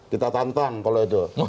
kita tantang kalau itu